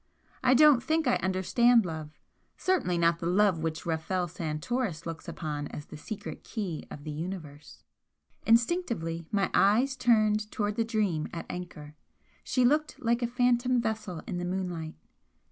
I don't think I understand love certainly not the love which Rafel Santoris looks upon as the secret key of the Universe." Instinctively my eyes turned towards the 'Dream' at anchor. She looked like a phantom vessel in the moonlight.